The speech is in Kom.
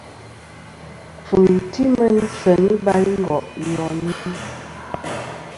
Kfɨ̀m ti meyn seyn i balingo' iyoni.